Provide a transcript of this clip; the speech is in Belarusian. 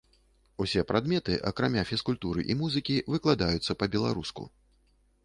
Усе прадметы, акрамя фізкультуры і музыкі, выкладаюцца па-беларуску.